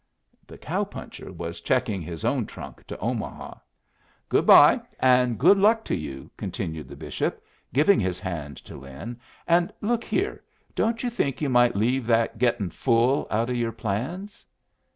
The cow puncher was checking his own trunk to Omaha. "Good bye and good luck to you," continued the bishop, giving his hand to Lin. "And look here don't you think you might leave that 'getting full' out of your plans?"